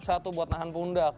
satu buat nahan pundak